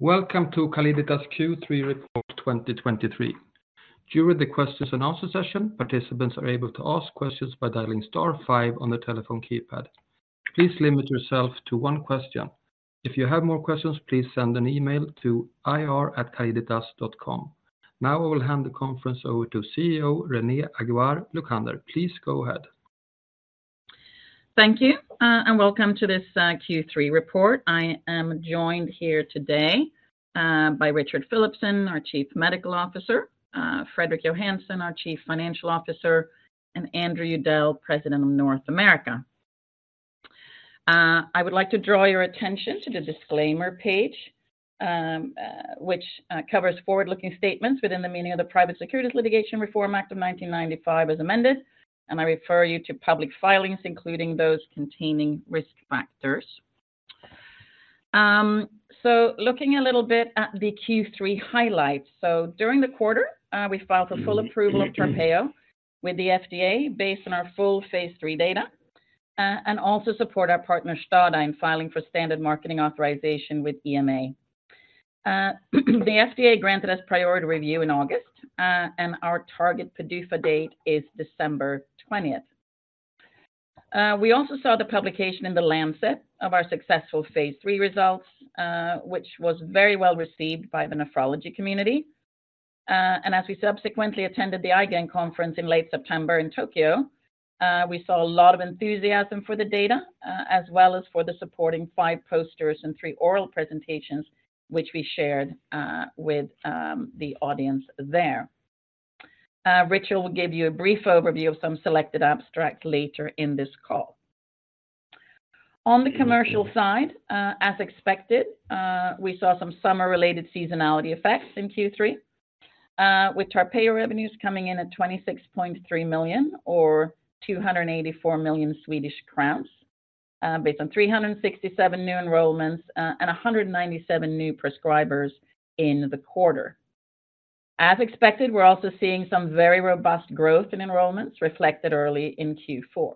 Welcome to Calliditas Q3 Report 2023. During the questions and answers session, participants are able to ask questions by dialing star five on the telephone keypad. Please limit yourself to one question. If you have more questions, please send an email to ir@calliditas.com. Now, I will hand the conference over to CEO Renée Aguiar-Lucander. Please go ahead. Thank you, and welcome to this Q3 report. I am joined here today by Richard Philipson, our Chief Medical Officer, Fredrik Johansson, our Chief Financial Officer, and Andrew Udell, President of North America. I would like to draw your attention to the disclaimer page, which covers forward-looking statements within the meaning of the Private Securities Litigation Reform Act of 1995 as amended, and I refer you to public filings, including those containing risk factors. So looking a little bit at the Q3 highlights. So during the quarter, we filed for full approval of TARPEYO with the FDA, based on our full phase III data, and also support our partner, Stada, in filing for standard marketing authorization with EMA. The FDA granted us priority review in August, and our target PDUFA date is December twentieth. We also saw the publication in The Lancet of our successful phase III results, which was very well-received by the nephrology community. As we subsequently attended the IgAN conference in late September in Tokyo, we saw a lot of enthusiasm for the data, as well as for the supporting five posters and three oral presentations, which we shared with the audience there. Richard will give you a brief overview of some selected abstracts later in this call. On the commercial side, as expected, we saw some summer-related seasonality effects in Q3, with TARPEYO revenues coming in at $26.3 million or 284 million Swedish crowns, based on 367 new enrollments and 197 new prescribers in the quarter. As expected, we're also seeing some very robust growth in enrollments reflected early in Q4.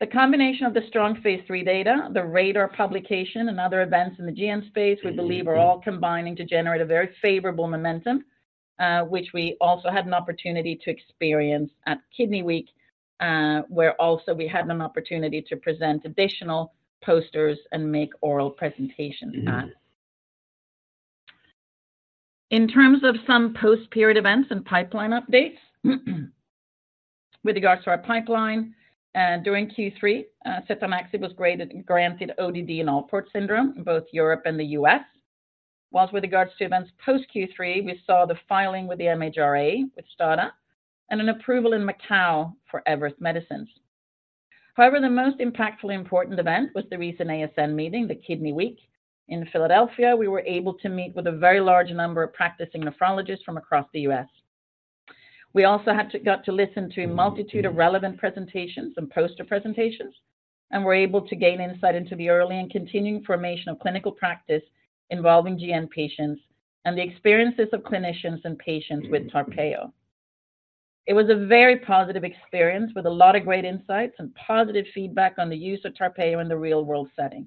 The combination of the strong phase III data, the RADAR publication, and other events in the GN space, we believe, are all combining to generate a very favorable momentum, which we also had an opportunity to experience at Kidney Week, where also we had an opportunity to present additional posters and make oral presentations. In terms of some post-period events and pipeline updates, with regards to our pipeline, during Q3, setanaxib was granted ODD in Alport syndrome in both Europe and the U.S. While with regards to events post Q3, we saw the filing with the MHRA, with STADA, and an approval in Macau for Everest Medicines. However, the most impactful important event was the recent ASN meeting, the Kidney Week in Philadelphia. We were able to meet with a very large number of practicing nephrologists from across the U.S. We also got to listen to a multitude of relevant presentations and poster presentations, and were able to gain insight into the early and continuing formation of clinical practice involving GN patients and the experiences of clinicians and patients with TARPEYO. It was a very positive experience with a lot of great insights and positive feedback on the use of TARPEYO in the real-world setting.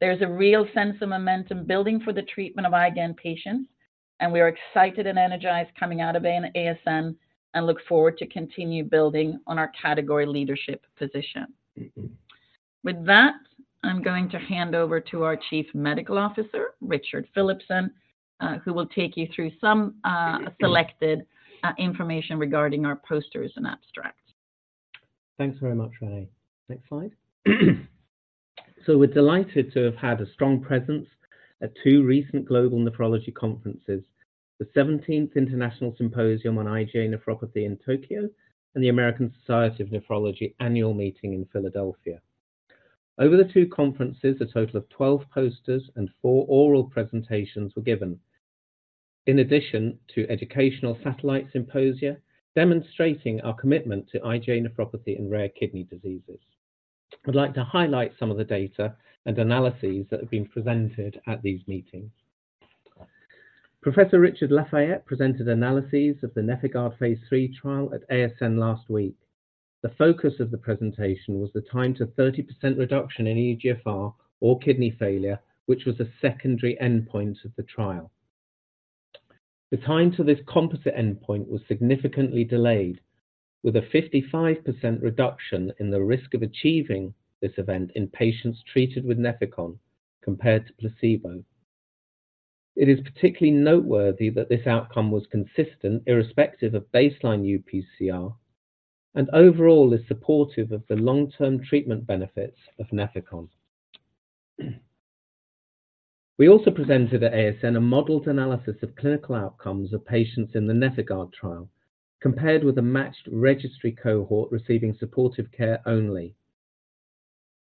There's a real sense of momentum building for the treatment of IgAN patients, and we are excited and energized coming out of ASN and look forward to continue building on our category leadership position. With that, I'm going to hand over to our Chief Medical Officer, Richard Philipson, who will take you through some selected information regarding our posters and abstracts. Thanks very much, Renée. Next slide. We're delighted to have had a strong presence at two recent global nephrology conferences, the 17th International Symposium on IgA Nephropathy in Tokyo and the American Society of Nephrology annual meeting in Philadelphia. Over the two conferences, a total of 12 posters and four oral presentations were given, in addition to educational satellite symposia, demonstrating our commitment to IgA nephropathy and rare kidney diseases. I'd like to highlight some of the data and analyses that have been presented at these meetings. Professor Richard Lafayette presented analyses of the NefIgArd phase III trial at ASN last week. The focus of the presentation was the time to 30% reduction in eGFR or kidney failure, which was a secondary endpoint of the trial. The time to this composite endpoint was significantly delayed, with a 55% reduction in the risk of achieving this event in patients treated with Nefecon compared to placebo. It is particularly noteworthy that this outcome was consistent irrespective of baseline UPCR, and overall is supportive of the long-term treatment benefits of Nefecon. We also presented at ASN a modeled analysis of clinical outcomes of patients in the NefIgArd trial, compared with a matched registry cohort receiving supportive care only.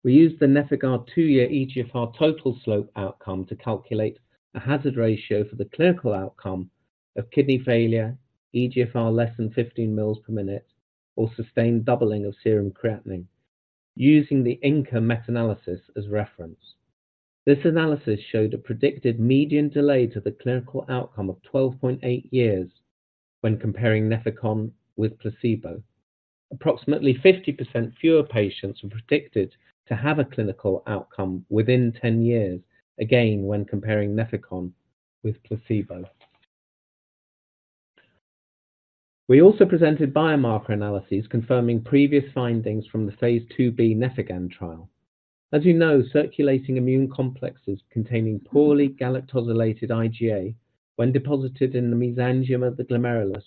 We used the NefIgArd two-year eGFR total slope outcome to calculate a hazard ratio for the clinical outcome of kidney failure, eGFR less than 15 mL/min, or sustained doubling of serum creatinine, using the INCA meta-analysis as reference. This analysis showed a predicted median delay to the clinical outcome of 12.8 years when comparing Nefecon with placebo.... Approximately 50% fewer patients were predicted to have a clinical outcome within 10 years, again, when comparing Nefecon with placebo. We also presented biomarker analyses confirming previous findings from the phase II-B NEFIGAN trial. As you know, circulating immune complexes containing poorly galactosylated IgA, when deposited in the mesangium of the glomerulus,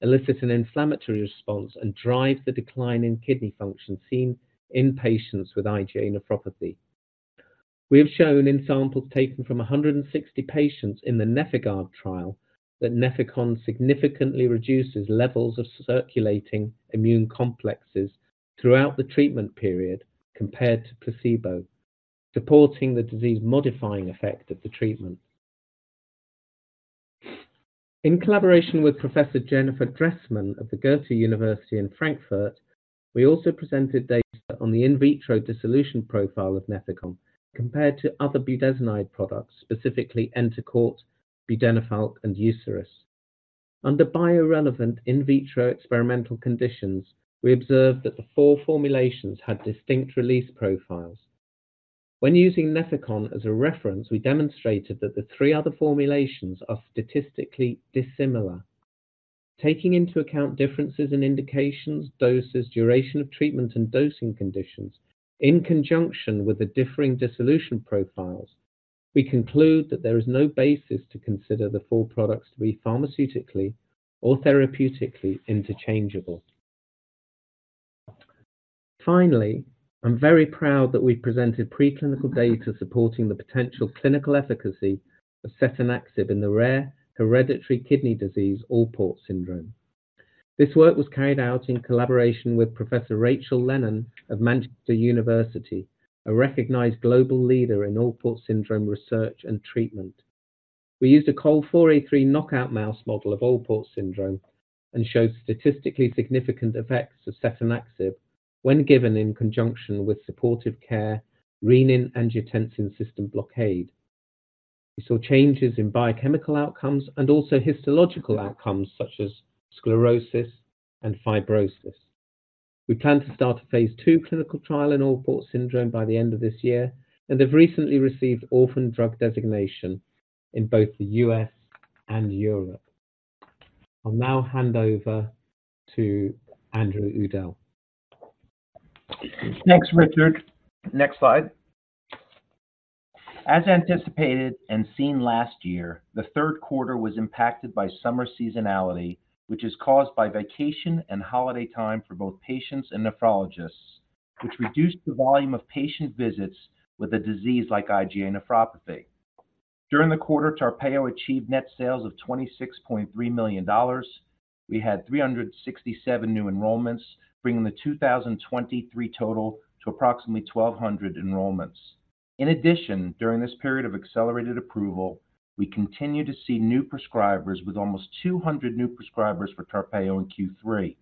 elicit an inflammatory response and drive the decline in kidney function seen in patients with IgA nephropathy. We have shown in samples taken from 160 patients in the NefIgArd trial, that Nefecon significantly reduces levels of circulating immune complexes throughout the treatment period compared to placebo, supporting the disease-modifying effect of the treatment. In collaboration with Professor Jennifer Dressman of the Goethe University in Frankfurt, we also presented data on the in vitro dissolution profile of Nefecon compared to other budesonide products, specifically Entocort, Budenofalk, and Uceris. Under biorelevant in vitro experimental conditions, we observed that the four formulations had distinct release profiles. When using Nefecon as a reference, we demonstrated that the three other formulations are statistically dissimilar. Taking into account differences in indications, doses, duration of treatment, and dosing conditions in conjunction with the differing dissolution profiles, we conclude that there is no basis to consider the four products to be pharmaceutically or therapeutically interchangeable. Finally, I'm very proud that we presented preclinical data supporting the potential clinical efficacy of setanaxib in the rare hereditary kidney disease, Alport syndrome. This work was carried out in collaboration with Professor Rachel Lennon of Manchester University, a recognized global leader in Alport syndrome research and treatment. We used a Col4A3 knockout mouse model of Alport syndrome and showed statistically significant effects of setanaxib when given in conjunction with supportive care, renin-angiotensin system blockade. We saw changes in biochemical outcomes and also histological outcomes, such as sclerosis and fibrosis. We plan to start a phase II clinical trial in Alport syndrome by the end of this year, and have recently received orphan drug designation in both the U.S. and Europe. I'll now hand over to Andrew Udell. Thanks, Richard. Next slide. As anticipated and seen last year, the third quarter was impacted by summer seasonality, which is caused by vacation and holiday time for both patients and nephrologists, which reduced the volume of patient visits with a disease like IgA nephropathy. During the quarter, TARPEYO achieved net sales of $26.3 million. We had 367 new enrollments, bringing the 2023 total to approximately 1,200 enrollments. In addition, during this period of accelerated approval, we continue to see new prescribers with almost 200 new prescribers for TARPEYO in Q3.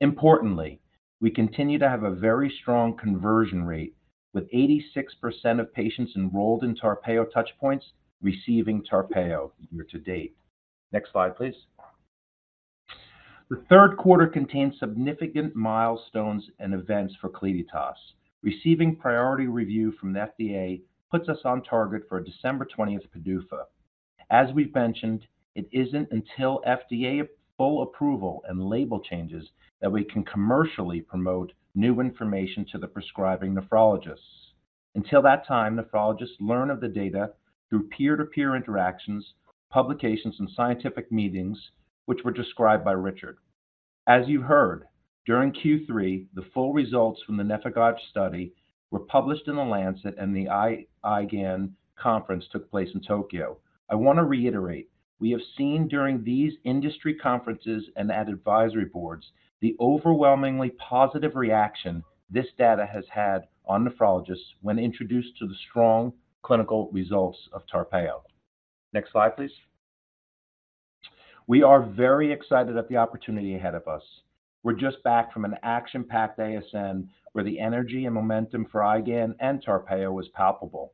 Importantly, we continue to have a very strong conversion rate, with 86% of patients enrolled in TARPEYO Touchpoints receiving TARPEYO year to date. Next slide, please. The third quarter contains significant milestones and events for Calliditas. Receiving priority review from the FDA puts us on target for a December twentieth PDUFA. As we've mentioned, it isn't until FDA full approval and label changes that we can commercially promote new information to the prescribing nephrologists. Until that time, nephrologists learn of the data through peer-to-peer interactions, publications, and scientific meetings, which were described by Richard. As you heard, during Q3, the full results from the NEFIGAN study were published in The Lancet, and the IgAN Conference took place in Tokyo. I want to reiterate, we have seen during these industry conferences and at advisory boards, the overwhelmingly positive reaction this data has had on nephrologists when introduced to the strong clinical results of TARPEYO. Next slide, please. We are very excited at the opportunity ahead of us. We're just back from an action-packed ASN, where the energy and momentum for IgAN and TARPEYO was palpable.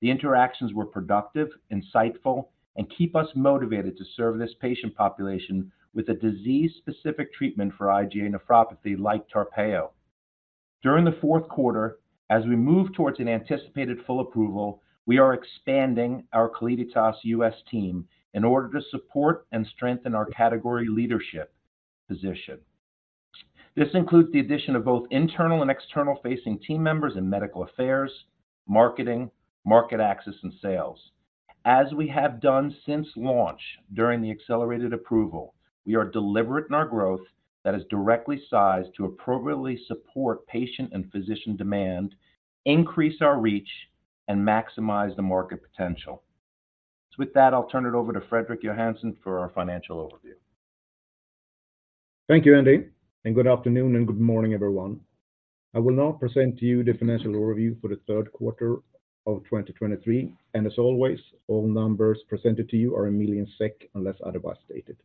The interactions were productive, insightful, and keep us motivated to serve this patient population with a disease-specific treatment for IgA nephropathy like TARPEYO. During the fourth quarter, as we move towards an anticipated full approval, we are expanding our Calliditas U.S. team in order to support and strengthen our category leadership position. This includes the addition of both internal and external-facing team members in medical affairs, marketing, market access, and sales. As we have done since launch during the accelerated approval, we are deliberate in our growth that is directly sized to appropriately support patient and physician demand, increase our reach, and maximize the market potential. With that, I'll turn it over to Fredrik Johansson for our financial overview. Thank you, Andy, and good afternoon and good morning, everyone. I will now present to you the financial overview for the third quarter of 2023, and as always, all numbers presented to you are in million SEK, unless otherwise stated.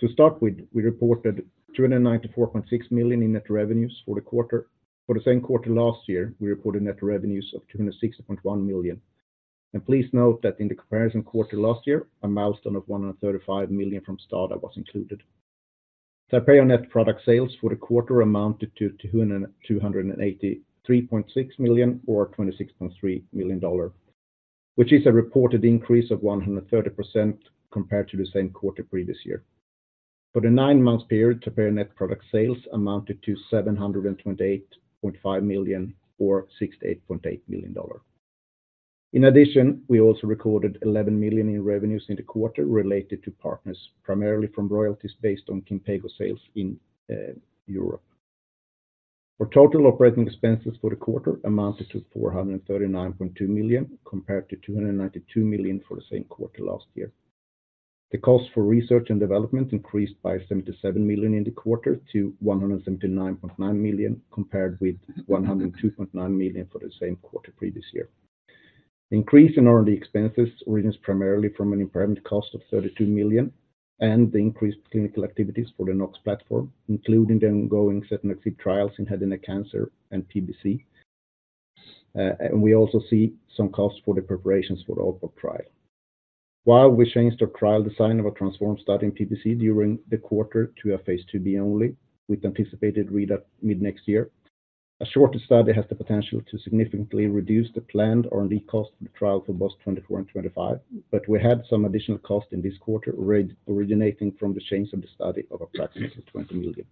To start with, we reported 294.6 million in net revenues for the quarter. For the same quarter last year, we reported net revenues of 260.1 million. And please note that in the comparison quarter last year, a milestone of 135 million from STADA was included. TARPEYO net product sales for the quarter amounted to 283.6 million, or $26.3 million, which is a reported increase of 130% compared to the same quarter previous year. For the nine-month period, TARPEYO net product sales amounted to 728.5 million, or $68.8 million. In addition, we also recorded 11 million in revenues in the quarter related to partners, primarily from royalties based on Kinpeygo sales in Europe. Our total operating expenses for the quarter amounted to 439.2 million, compared to 292 million for the same quarter last year. The cost for research and development increased by 77 million in the quarter to 179.9 million, compared with 102.9 million for the same quarter previous year. Increase in R&D expenses originates primarily from an impairment cost of 32 million and the increased clinical activities for the NOX platform, including the ongoing setanaxib trials in head and neck cancer and PBC. And we also see some costs for the preparations for the OPVO trial. While we changed our trial design of a TRANSFORM study in PBC during the quarter to a phase II-B only, with anticipated readout mid-next year, a shorter study has the potential to significantly reduce the planned R&D cost of the trial for both 2024 and 2025. But we had some additional costs in this quarter, originating from the change of the study of approximately 20 million.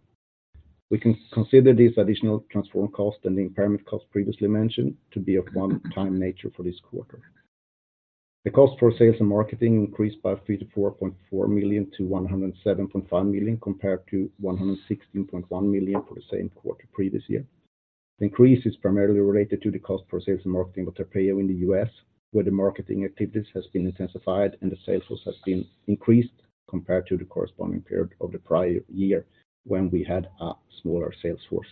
We can consider this additional TRANSFORM cost and the impairment cost previously mentioned to be of one-time nature for this quarter. The cost for sales and marketing increased by 34.4 million to 107.5 million, compared to 116.1 million for the same quarter previous year. Increase is primarily related to the cost for sales and marketing of TARPEYO in the U.S., where the marketing activities has been intensified and the sales force has been increased compared to the corresponding period of the prior year when we had a smaller sales force.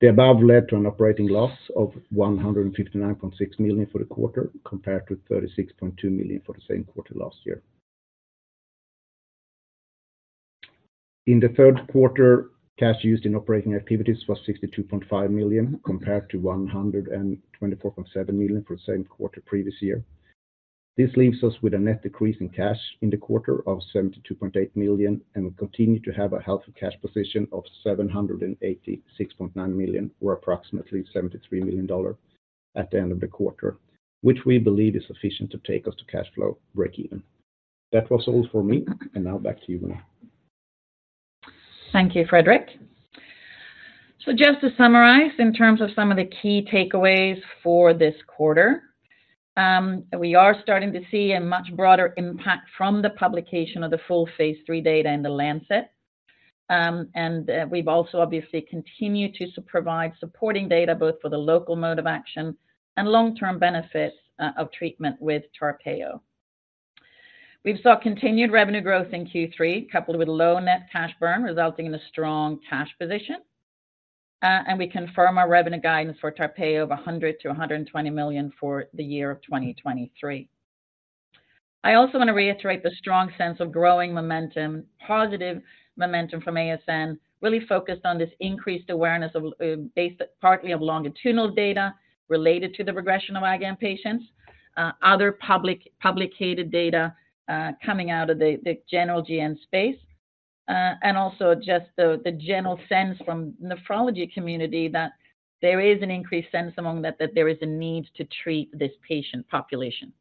The above led to an operating loss of 159.6 million for the quarter, compared to 36.2 million for the same quarter last year. In the third quarter, cash used in operating activities was 62.5 million, compared to 124.7 million for the same quarter previous year. This leaves us with a net decrease in cash in the quarter of 72.8 million, and we continue to have a healthy cash position of 786.9 million, or approximately $73 million at the end of the quarter, which we believe is sufficient to take us to cash flow breakeven. That was all for me, and now back to you, Renée. Thank you, Fredrik. So just to summarize, in terms of some of the key takeaways for this quarter, we are starting to see a much broader impact from the publication of the full phase III data in The Lancet. And we've also obviously continued to provide supporting data, both for the local mode of action and long-term benefits of treatment with TARPEYO. We saw continued revenue growth in Q3, coupled with low net cash burn, resulting in a strong cash position. And we confirm our revenue guidance for TARPEYO of $100 million-$120 million for the year 2023. I also want to reiterate the strong sense of growing momentum, positive momentum from ASN, really focused on this increased awareness of basic partly of longitudinal data related to the regression of IgAN patients, other public- published data coming out of the general GN space, and also just the general sense from nephrology community that there is an increased sense among that that there is a need to treat this patient population.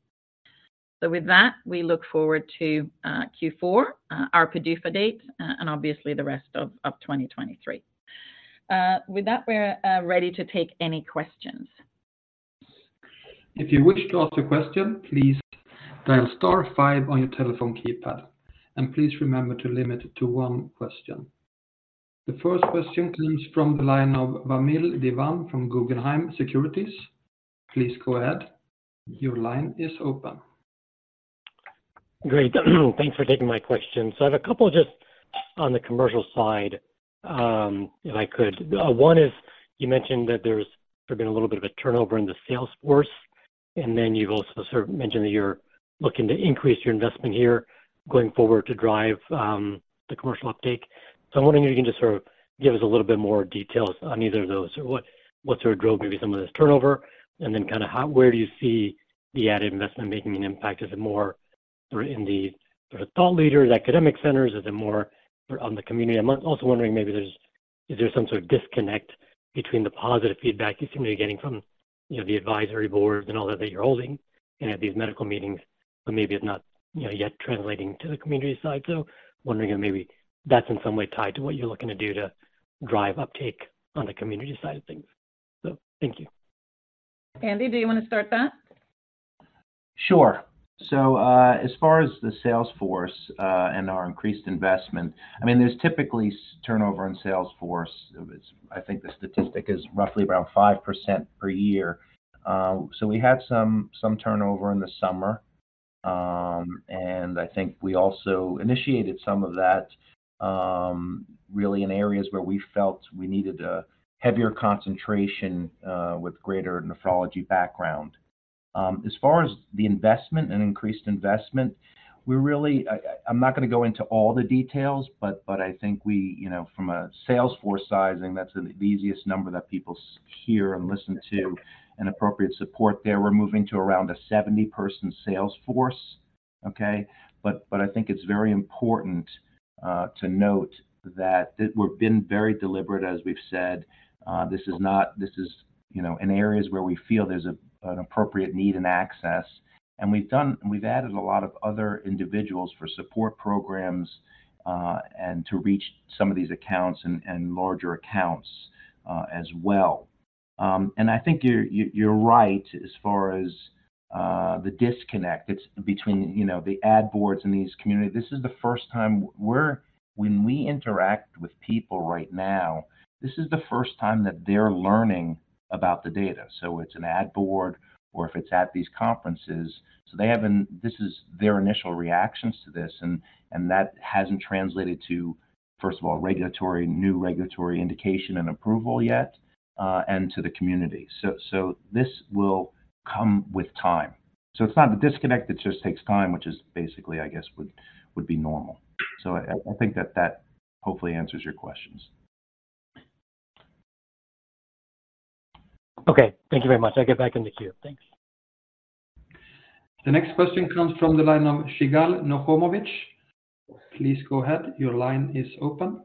So with that, we look forward to Q4, our PDUFA dates, and obviously the rest of 2023. With that, we're ready to take any questions. If you wish to ask a question, please dial star five on your telephone keypad, and please remember to limit it to one question. The first question comes from the line of Vamil Divan from Guggenheim Securities. Please go ahead. Your line is open. Great, thanks for taking my question. So I have a couple just on the commercial side, if I could. One is, you mentioned that there's been a little bit of a turnover in the sales force, and then you've also sort of mentioned that you're looking to increase your investment here going forward to drive the commercial uptake. So I'm wondering if you can just sort of give us a little bit more details on either of those, or what sort of drove maybe some of this turnover, and then kind of how- where do you see the added investment making an impact? Is it more in the sort of thought leaders, academic centers? Is it more on the community? I'm also wondering, maybe there's—is there some sort of disconnect between the positive feedback you seem to be getting from, you know, the advisory boards and all that, that you're holding and at these medical meetings, but maybe it's not, you know, yet translating to the community side? So wondering if maybe that's in some way tied to what you're looking to do to drive uptake on the community side of things. So thank you. Andy, do you want to start that? Sure. So, as far as the sales force, and our increased investment, I mean, there's typically turnover in sales force. I think the statistic is roughly around 5% per year. So we had some, some turnover in the summer. And I think we also initiated some of that, really in areas where we felt we needed a heavier concentration, with greater nephrology background. As far as the investment and increased investment, we're really... I, I'm not going to go into all the details, but, but I think we, you know, from a sales force sizing, that's the easiest number that people hear and listen to, and appropriate support there. We're moving to around a 70-person sales force.... Okay? But, but I think it's very important, to note that we've been very deliberate, as we've said. This is, you know, in areas where we feel there's an appropriate need and access, and we've added a lot of other individuals for support programs, and to reach some of these accounts and larger accounts, as well. And I think you're right, as far as the disconnect. It's between, you know, the ad boards and the community. This is the first time... when we interact with people right now, this is the first time that they're learning about the data. So it's an ad board, or if it's at these conferences. So they haven't—this is their initial reactions to this, and that hasn't translated to, first of all, regulatory, new regulatory indication and approval yet, and to the community. So this will come with time. So it's not a disconnect, it just takes time, which is basically, I guess, would be normal. So I think that hopefully answers your questions. Okay, thank you very much. I'll get back in the queue. Thanks. The next question comes from the line of Yigal Nochomovitz Please go ahead. Your line is open.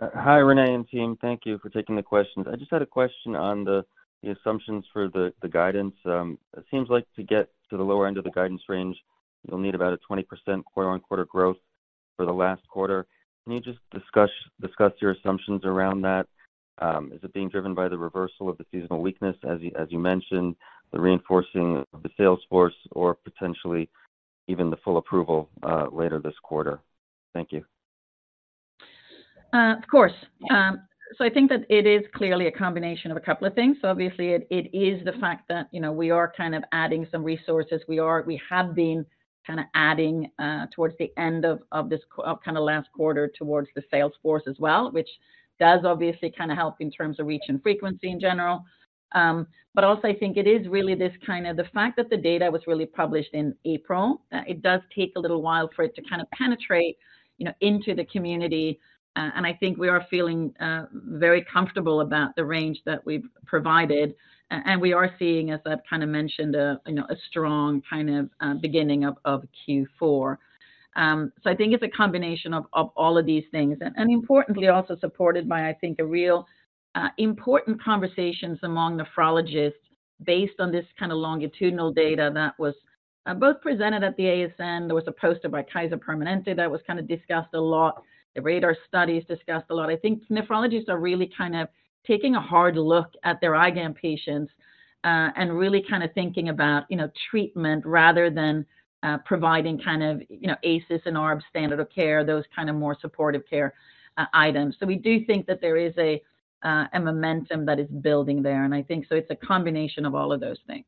Hi, Renée and team. Thank you for taking the questions. I just had a question on the assumptions for the guidance. It seems like to get to the lower end of the guidance range, you'll need about a 20% quarter-on-quarter growth for the last quarter. Can you just discuss your assumptions around that? Is it being driven by the reversal of the seasonal weakness, as you mentioned, the reinforcing of the sales force, or potentially even the full approval later this quarter? Thank you. Of course. So I think that it is clearly a combination of a couple of things. So obviously, it is the fact that, you know, we are kind of adding some resources. We have been kinda adding towards the end of this kind of last quarter, towards the sales force as well, which does obviously kind of help in terms of reach and frequency in general. But also I think it is really this kind of the fact that the data was really published in April. It does take a little while for it to kind of penetrate, you know, into the community. And I think we are feeling very comfortable about the range that we've provided. And we are seeing, as I've kind of mentioned, a strong kind of beginning of Q4. So I think it's a combination of all of these things. And importantly, also supported by, I think, a really important conversations among nephrologists based on this kind of longitudinal data that was both presented at the ASN. There was a poster by Kaiser Permanente that was kind of discussed a lot. The real-world studies discussed a lot. I think nephrologists are really kind of taking a hard look at their IgAN patients, and really kind of thinking about, you know, treatment rather than providing kind of, you know, ACEs and ARB standard of care, those kind of more supportive care items. So we do think that there is a momentum that is building there, and I think so it's a combination of all of those things.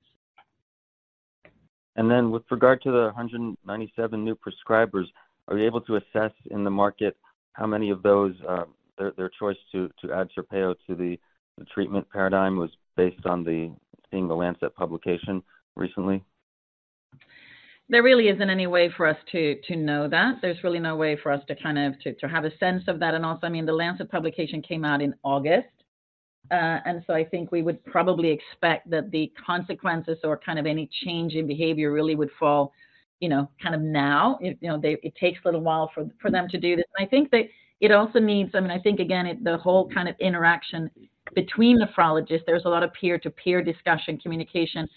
Then with regard to the 197 new prescribers, are you able to assess in the market how many of those, their choice to add TARPEYO to the treatment paradigm was based on seeing the Lancet publication recently? There really isn't any way for us to know that. There's really no way for us to kind of have a sense of that. And also, I mean, the Lancet publication came out in August. And so I think we would probably expect that the consequences or kind of any change in behavior really would fall, you know, kind of now. You know, it takes a little while for them to do this. And I think that it also means. I mean, I think again, the whole kind of interaction between nephrologists, there's a lot of peer-to-peer discussion, communication.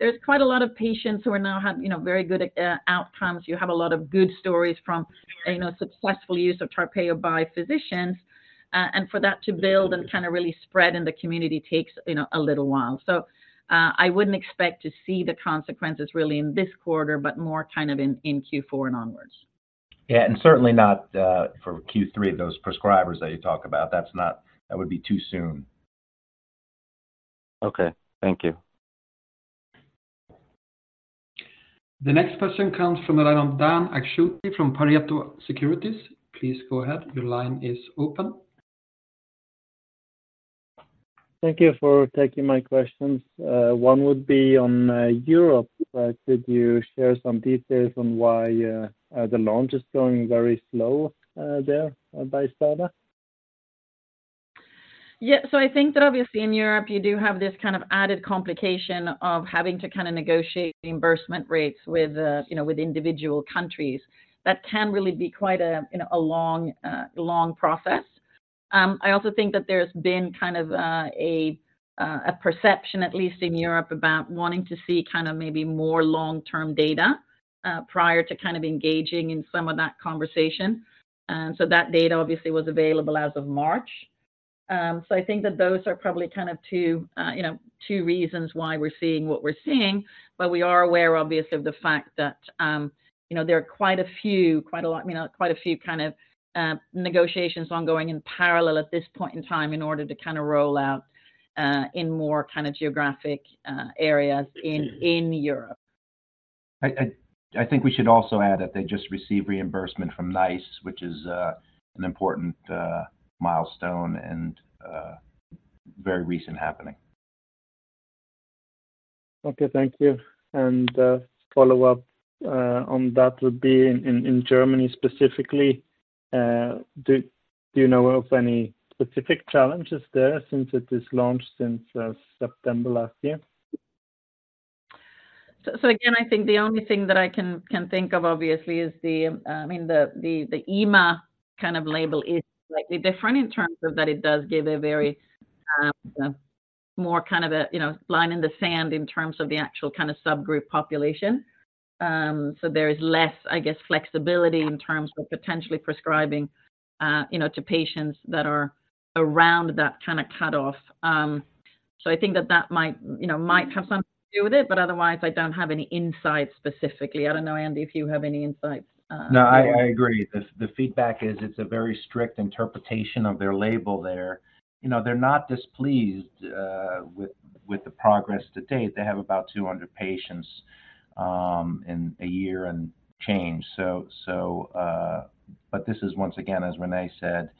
There's quite a lot of patients who are now have, you know, very good outcomes. You have a lot of good stories from, you know, successful use of TARPEYO by physicians. And for that to build and kinda really spread in the community takes, you know, a little while. So, I wouldn't expect to see the consequences really in this quarter, but more kind of in Q4 and onwards. Yeah, and certainly not for Q3, those prescribers that you talk about. That's not... That would be too soon. Okay, thank you. The next question comes from the line of Dan Akschuti from Pareto Securities. Please go ahead. Your line is open. Thank you for taking my questions. One would be on Europe. Could you share some details on why the launch is going very slow there by STADA? Yeah. So I think that obviously in Europe, you do have this kind of added complication of having to kind of negotiate reimbursement rates with, you know, with individual countries. That can really be quite a long process. I also think that there's been kind of a perception, at least in Europe, about wanting to see kind of maybe more long-term data prior to kind of engaging in some of that conversation. And so that data obviously was available as of March. So I think that those are probably kind of two reasons why we're seeing what we're seeing. We are aware, obviously, of the fact that, you know, there are quite a few, quite a lot, I mean, quite a few kind of, negotiations ongoing in parallel at this point in time in order to kind of roll out, in more kind of geographic, areas in Europe. I think we should also add that they just received reimbursement from NICE, which is an important milestone and very recent happening. Okay, thank you. And, follow-up on that would be in Germany, specifically. Do you know of any specific challenges there since it is launched since September last year? So again, I think the only thing that I can think of, obviously, is the, I mean, the EMA kind of label is slightly different in terms of that it does give a very more kind of a, you know, line in the sand in terms of the actual kind of subgroup population. So there is less, I guess, flexibility in terms of potentially prescribing, you know, to patients that are around that kind of cutoff. So I think that that might, you know, might have something to do with it, but otherwise, I don't have any insight specifically. I don't know, Andy, if you have any insights. No, I agree. The feedback is it's a very strict interpretation of their label there. You know, they're not displeased with the progress to date. They have about 200 patients in a year and change. But this is once again, as Renée said,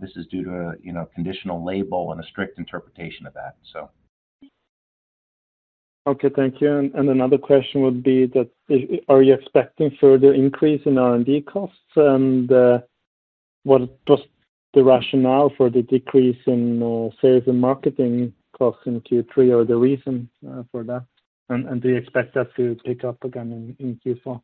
this is due to a, you know, conditional label and a strict interpretation of that, so. Okay, thank you. And another question would be that, are you expecting further increase in R&D costs? And, what was the rationale for the decrease in sales and marketing costs in Q3, or the reason for that? And do you expect that to pick up again in Q4?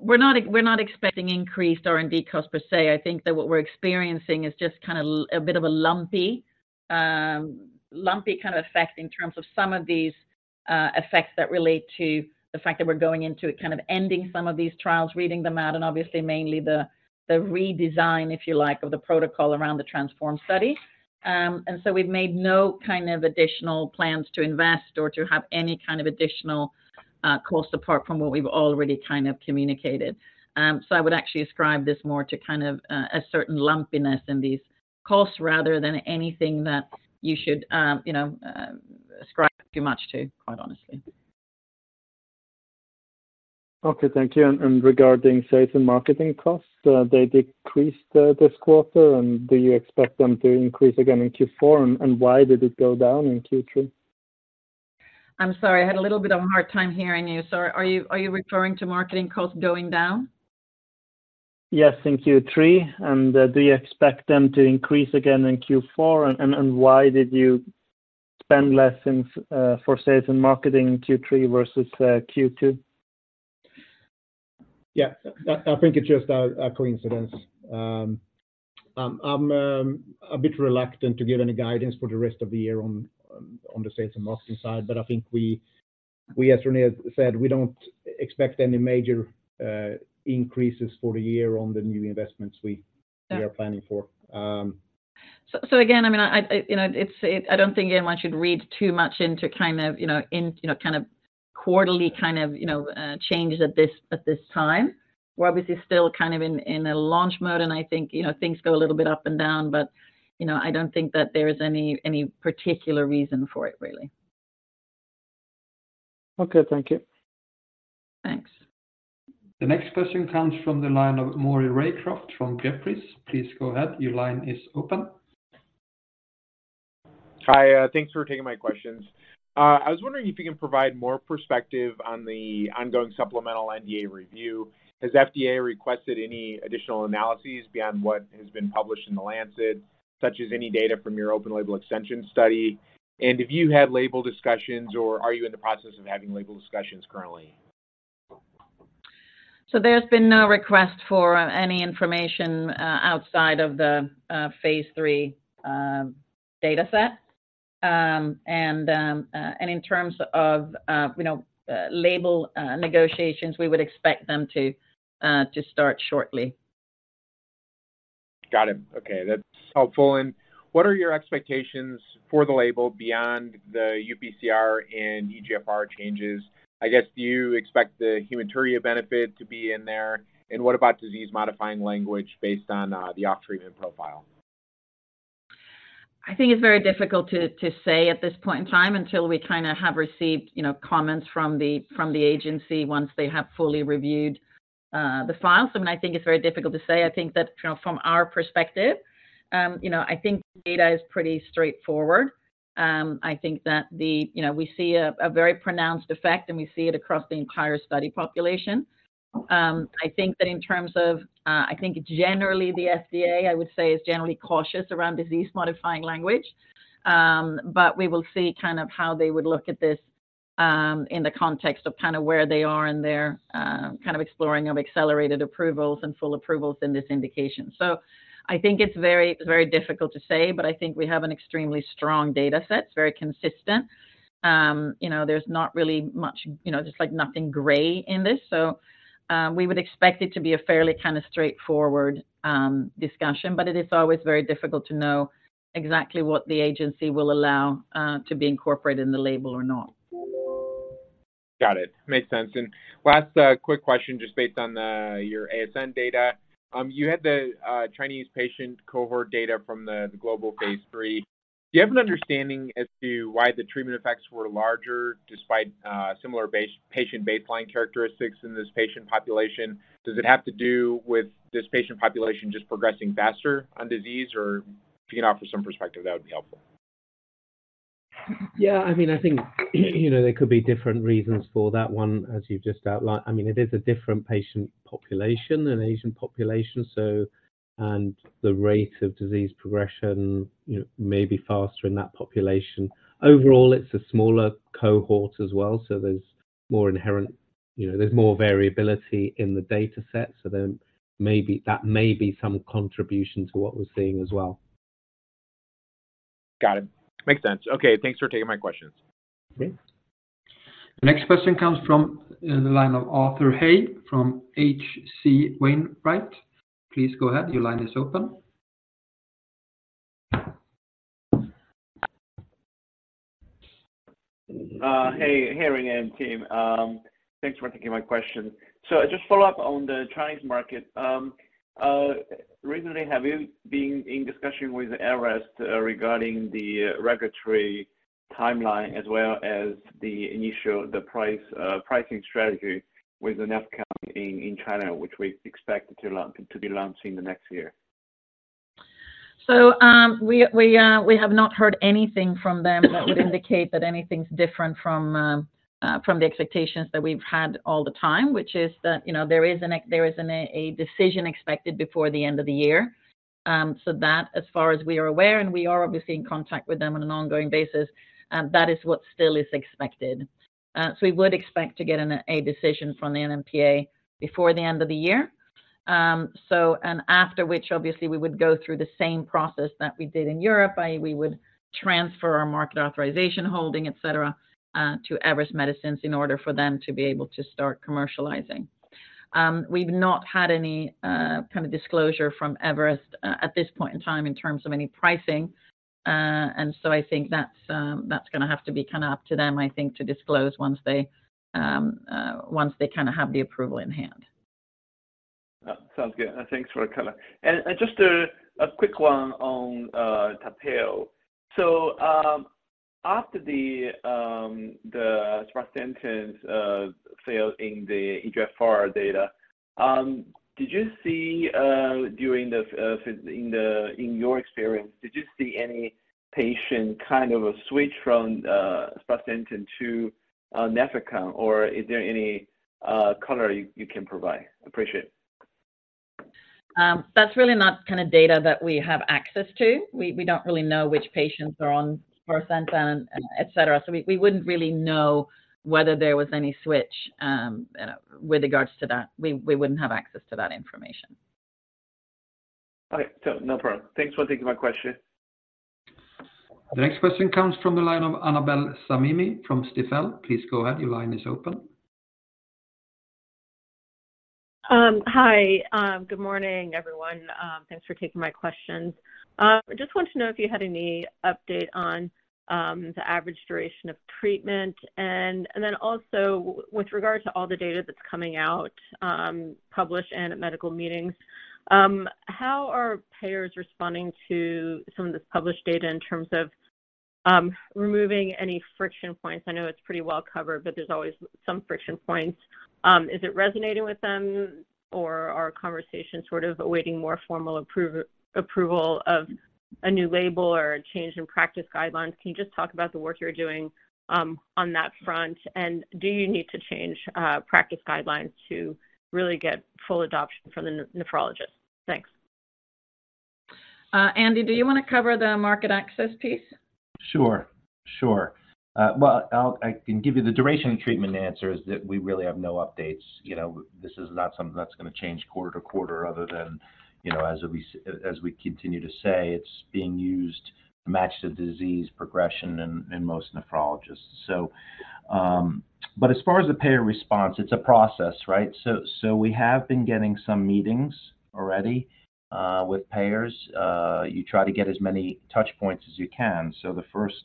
We're not expecting increased R&D costs, per se. I think that what we're experiencing is just kind of a bit of a lumpy, lumpy kind of effect in terms of some of these effects that relate to the fact that we're going into it kind of ending some of these trials, reading them out, and obviously, mainly the redesign, if you like, of the protocol around the TRANSFORM study. And so we've made no kind of additional plans to invest or to have any kind of additional costs apart from what we've already kind of communicated. So I would actually ascribe this more to kind of a certain lumpiness in these costs rather than anything that you should you know ascribe too much to, quite honestly. Okay, thank you. And regarding sales and marketing costs, they decreased this quarter, and do you expect them to increase again in Q4? And why did it go down in Q3? I'm sorry, I had a little bit of a hard time hearing you. Are you, are you referring to marketing costs going down? Yes, in Q3. Do you expect them to increase again in Q4? Why did you spend less in for sales and marketing in Q3 versus Q2? Yeah, I think it's just a coincidence. I'm a bit reluctant to give any guidance for the rest of the year on the sales and marketing side, but I think we, as Renée has said, we don't expect any major increases for the year on the new investments we- Yeah... we are planning for. So again, I mean, you know, it's... I don't think anyone should read too much into kind of, you know, kind of quarterly changes at this time. We're obviously still kind of in a launch mode, and I think, you know, things go a little bit up and down but, you know, I don't think that there is any particular reason for it, really. Okay, thank you. Thanks. The next question comes from the line of Maury Raycroft from Jefferies. Please go ahead. Your line is open. Hi, thanks for taking my questions. I was wondering if you can provide more perspective on the ongoing supplemental NDA review. Has FDA requested any additional analyses beyond what has been published in The Lancet, such as any data from your open label extension study? And if you had label discussions, or are you in the process of having label discussions currently? There's been no request for any information outside of the phase III dataset. In terms of, you know, label negotiations, we would expect them to start shortly. Got it. Okay, that's helpful. What are your expectations for the label beyond the UPCR and eGFR changes? I guess, do you expect the hematuria benefit to be in there? What about disease-modifying language based on the overall treatment profile? I think it's very difficult to say at this point in time until we kind of have received, you know, comments from the agency once they have fully reviewed the files. So I think it's very difficult to say. I think that, you know, from our perspective, you know, I think data is pretty straightforward. I think that. You know, we see a very pronounced effect, and we see it across the entire study population. I think that in terms of, I think generally the FDA, I would say, is generally cautious around disease-modifying language. But we will see kind of how they would look at this, in the context of kind of where they are in their, kind of exploring of accelerated approvals and full approvals in this indication. So I think it's very, very difficult to say, but I think we have an extremely strong data set. It's very consistent. You know, there's not really much, you know, just like nothing gray in this, so we would expect it to be a fairly kind of straightforward discussion, but it is always very difficult to know exactly what the agency will allow to be incorporated in the label or not. Got it. Makes sense. And last, quick question, just based on your ASN data. You had the Chinese patient cohort data from the global phase III. Do you have an understanding as to why the treatment effects were larger, despite similar baseline patient characteristics in this patient population? Does it have to do with this patient population just progressing faster on disease? Or if you can offer some perspective, that would be helpful. ...Yeah, I mean, I think, you know, there could be different reasons for that one, as you've just outlined. I mean, it is a different patient population, an Asian population, so, and the rate of disease progression, you know, may be faster in that population. Overall, it's a smaller cohort as well, so there's more inherent, you know, there's more variability in the data set, so then maybe, that may be some contribution to what we're seeing as well. Got it. Makes sense. Okay, thanks for taking my questions. Okay. The next question comes from the line of Arthur He from HC Wainwright. Please go ahead. Your line is open. Hey, hey, Renée and team. Thanks for taking my question. Just follow up on the Chinese market. Recently, have you been in discussion with Everest regarding the regulatory timeline as well as the initial, the price, pricing strategy with the Nefecon in China, which we expect to launch, to be launched in the next year? So, we have not heard anything from them that would indicate that anything's different from the expectations that we've had all the time, which is that, you know, there is a decision expected before the end of the year. So that, as far as we are aware, and we are obviously in contact with them on an ongoing basis, that is what still is expected. So we would expect to get a decision from the NMPA before the end of the year. So and after which, obviously, we would go through the same process that we did in Europe. We would transfer our market authorization holding, et cetera, to Everest Medicines in order for them to be able to start commercializing. We've not had any kind of disclosure from Everest at this point in time in terms of any pricing. And so I think that's that's gonna have to be kind of up to them, I think, to disclose once they once they kind of have the approval in hand. Sounds good. Thanks for the color. And just a quick one on TARPEYO. So, after the sparsentan failed in the eGFR data, did you see, in your experience, did you see any patient kind of a switch from sparsentan to Nefecon, or is there any color you can provide? Appreciate it. That's really not kind of data that we have access to. We don't really know which patients are on sparsentan, et cetera, so we wouldn't really know whether there was any switch, with regards to that. We wouldn't have access to that information. All right, so no problem. Thanks for taking my question. The next question comes from the line of Annabel Samimy from Stifel. Please go ahead. Your line is open. Hi, good morning, everyone. Thanks for taking my questions. Just wanted to know if you had any update on the average duration of treatment. And then also, with regard to all the data that's coming out, published and at medical meetings, how are payers responding to some of this published data in terms of removing any friction points? I know it's pretty well covered, but there's always some friction points. Is it resonating with them, or are conversations sort of awaiting more formal approval of a new label or a change in practice guidelines? Can you just talk about the work you're doing on that front? And do you need to change practice guidelines to really get full adoption from the nephrologist? Thanks. Andy, do you want to cover the market access piece? Sure, sure. Well, I can give you the duration of treatment answer, is that we really have no updates. You know, this is not something that's going to change quarter to quarter other than, you know, as we continue to say, it's being used to match the disease progression in most nephrologists. So, but as far as the payer response, it's a process, right? So we have been getting some meetings already with payers. You try to get as many touch points as you can. So the first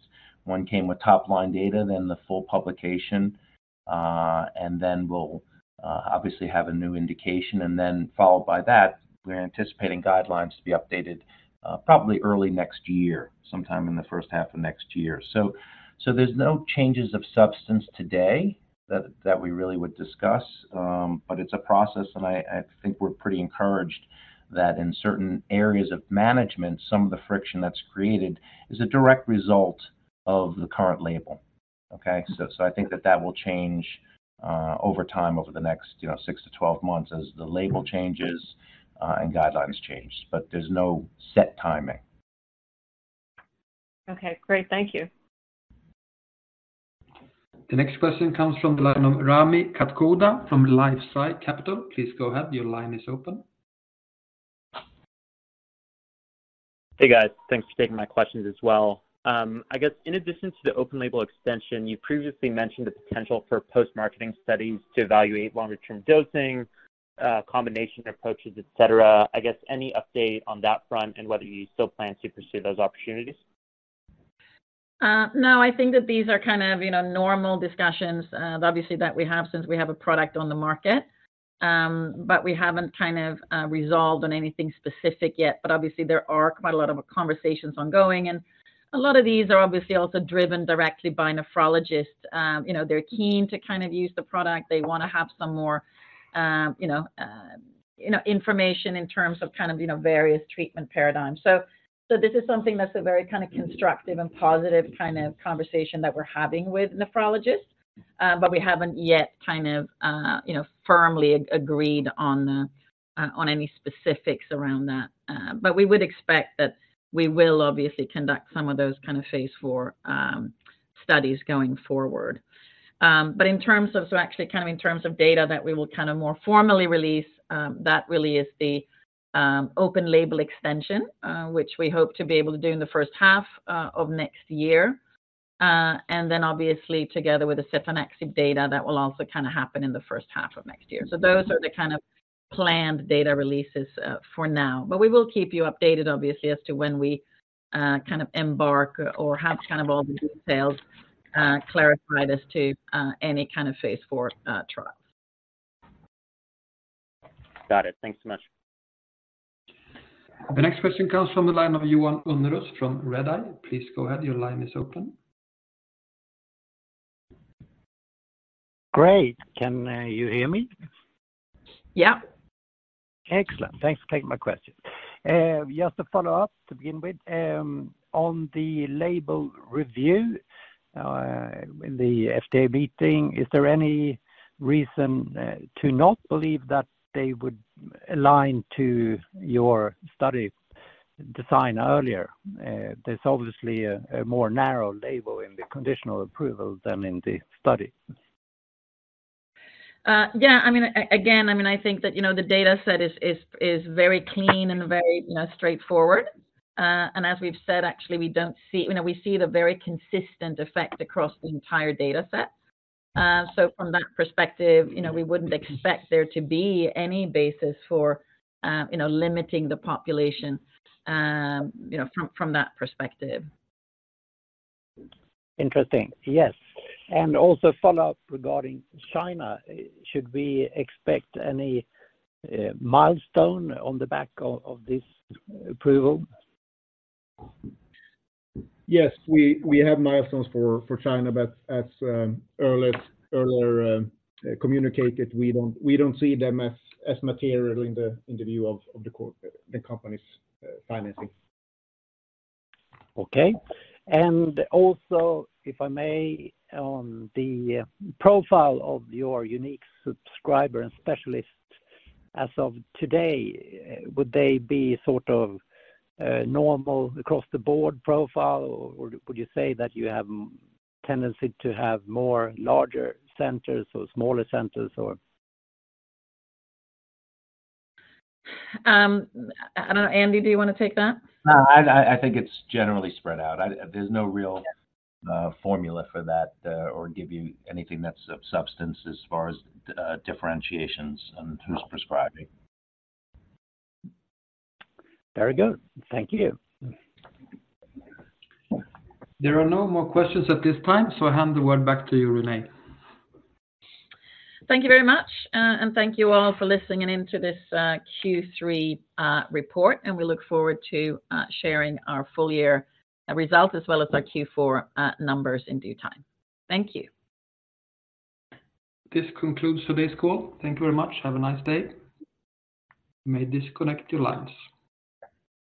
one came with top-line data, then the full publication, and then we'll obviously have a new indication. And then followed by that, we're anticipating guidelines to be updated, probably early next year, sometime in the first half of next year. So, there's no changes of substance today that we really would discuss, but it's a process, and I think we're pretty encouraged that in certain areas of management, some of the friction that's created is a direct result of the current label. Okay? So, I think that will change over time, over the next, you know, six to 12 months as the label changes, and guidelines change. But there's no set timing. Okay, great. Thank you. The next question comes from the line of Rami Katkhuda from Life Sci Capital. Please go ahead. Your line is open. Hey, guys. Thanks for taking my questions as well. I guess in addition to the open label extension, you previously mentioned the potential for post-marketing studies to evaluate longer-term dosing, combination approaches, et cetera. I guess any update on that front and whether you still plan to pursue those opportunities? No, I think that these are kind of, you know, normal discussions, obviously, that we have since we have a product on the market. But we haven't kind of resolved on anything specific yet. But obviously, there are quite a lot of conversations ongoing, and a lot of these are obviously also driven directly by nephrologists. You know, they're keen to kind of use the product. They wanna have some more, you know, information in terms of kind of, you know, various treatment paradigms. So this is something that's a very kind of constructive and positive kind of conversation that we're having with nephrologists. But we haven't yet kind of, you know, firmly agreed on any specifics around that. But we would expect that we will obviously conduct some of those kind of phase IV studies going forward. But in terms of—so actually, kind of in terms of data that we will kind of more formally release, that really is the open label extension, which we hope to be able to do in the first half of next year. And then obviously, together with the setanaxib data, that will also kind of happen in the first half of next year. So those are the kind of planned data releases for now. But we will keep you updated, obviously, as to when we kind of embark or have kind of all the details clarified as to any kind of phase IV trials. Got it. Thanks so much. The next question comes from the line of Johan Unnérus from RedEye. Please go ahead, your line is open. Great. Can you hear me? Yeah. Excellent. Thanks for taking my question. Just a follow-up to begin with, on the label review, in the FDA meeting, is there any reason to not believe that they would align to your study design earlier? There's obviously a more narrow label in the conditional approval than in the study. Yeah, I mean, I mean, I think that, you know, the data set is very clean and very, you know, straightforward. And as we've said, actually, we don't see... You know, we see the very consistent effect across the entire data set. So from that perspective, you know, we wouldn't expect there to be any basis for, you know, limiting the population, you know, from that perspective. Interesting. Yes. And also a follow-up regarding China. Should we expect any milestone on the back of this approval? Yes, we have milestones for China, but as earlier has earlier communicated, we don't see them as material in the view of the company's financing. Okay. And also, if I may, on the profile of your unique subscriber and specialist, as of today, would they be sort of, normal across the board profile, or would you say that you have tendency to have more larger centers or smaller centers, or? I don't know, Andy, do you want to take that? No, I think it's generally spread out. There's no real formula for that, or give you anything that's of substance as far as differentiations and who's prescribing. Very good. Thank you. There are no more questions at this time, so I hand the word back to you, Renée. Thank you very much, and thank you all for listening in to this Q3 report, and we look forward to sharing our full year results as well as our Q4 numbers in due time. Thank you. This concludes today's call. Thank you very much. Have a nice day. You may disconnect your lines.